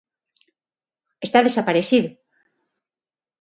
Está desaparecido.